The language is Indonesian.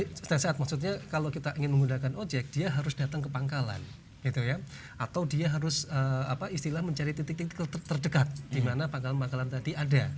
nah saat maksudnya kalau kita ingin menggunakan ojek dia harus datang ke pangkalan atau dia harus apa istilah mencari titik titik terdekat di mana pangkalan pangkalan tadi ada